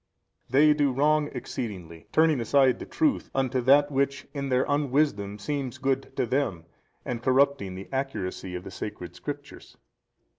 A. They do wrong exceedingly, turning aside the truth unto that which in their unwisdom seems good to them and corrupting the accuracy of the sacred Scriptures.